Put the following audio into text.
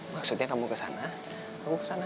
maksudnya kamu kesana aku kesana